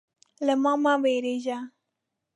_له ما مه وېرېږه.